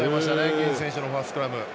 ゲンジ選手のファーストスクラム。